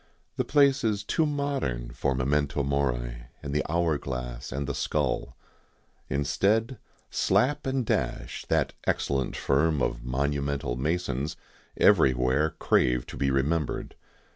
The place is too modern for memento mori and the hour glass and the skull. Instead, Slap & Dash, that excellent firm of monumental masons, everywhere crave to be remembered.